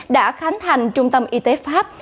đã khánh thành trung tâm y tế pháp